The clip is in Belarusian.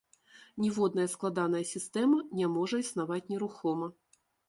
Ніводная складаная сістэма не можа існаваць нерухома.